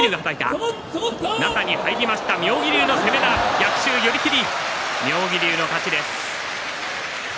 逆襲、寄り切り妙義龍の勝ちです。